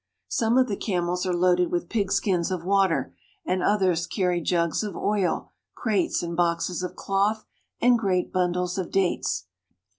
Some of the camels are loaded with pigskins of water, and others carry jugs of oil, crates and boxes of cloth, and great bundles of dates.